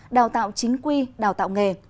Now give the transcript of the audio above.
đào tạo chính quy đào tạo nghề